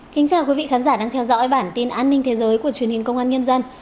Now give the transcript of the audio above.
chào mừng quý vị đến với bản tin an ninh thế giới của truyền hình công an nhân dân